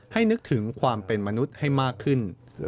นึกถึงความเป็นมนุษย์ให้มากขึ้น